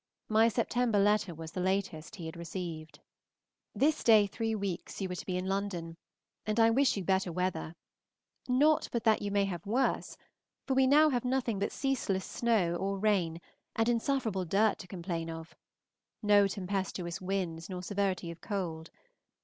My September letter was the latest he had received. This day three weeks you are to be in London, and I wish you better weather; not but that you may have worse, for we have now nothing but ceaseless snow or rain and insufferable dirt to complain of; no tempestuous winds nor severity of cold.